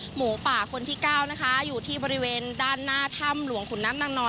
หมูป่าคนที่เก้านะคะอยู่ที่บริเวณด้านหน้าถ้ำหลวงขุนน้ำนางนอน